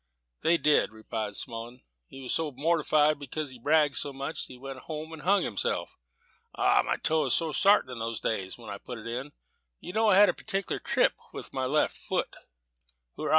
"They said," replied Smullen, "he was so mortified because he'd bragged so much, that he went home and hung himself. Ah, my toe was so sartin in those days, when I put it in! You know I had a particular trip with my left foot." "Hoora!"